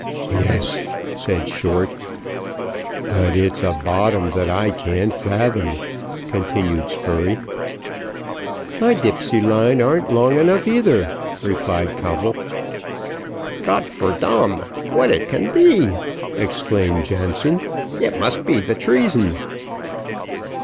"Yes," said Short. "But it's a bottom that I can't fathom," continued Spurey. "My dipsey line arn't long enough either," replied Coble. "Gott for dam, what it can be!" exclaimed Jansen. "It must be the treason."